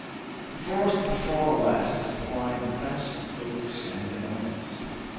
The forest of the Far West supplied the best oaks and elms.